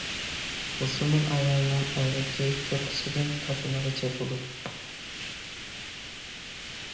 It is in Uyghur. مۇسۇلمان ئايالنىڭ ئەۋرىتى چوقىسىدىن تاپىنىغىچە بولۇپ.